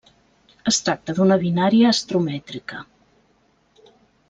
Es tracta d'una binària astromètrica.